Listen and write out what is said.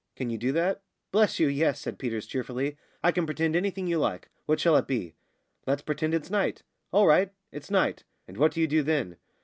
Can you do that?" "Bless you, yes!" said Peters, cheerfully. "I can pretend anything you like. What shall it be?" "Let's pretend it's night." "All right. It's night. And what do you do then?"